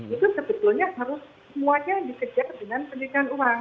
itu sebetulnya harus semuanya dikejar dengan pencucian uang